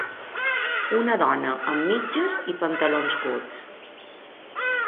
Una dona amb mitges i pantalons curts.